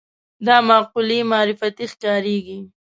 دا مقولې معرفتي ښکارېږي